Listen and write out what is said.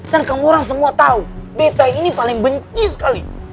dan kamu semua tahu betta ini paling benci sekali